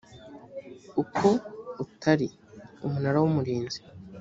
uko utari umunara w umurinzi